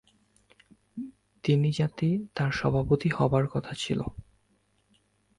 তিনি যাতে তার সভাপতি হবার কথা ছিল।